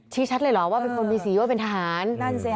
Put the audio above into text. ชี้ชัดเลยหรอว่าเป็นมมิศีว่าเป็นทหาร